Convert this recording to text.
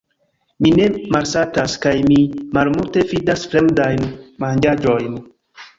Mi ne malsatas, kaj mi malmulte fidas fremdajn manĝaĵojn.